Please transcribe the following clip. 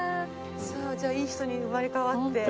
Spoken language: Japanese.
さあじゃあいい人に生まれ変わって。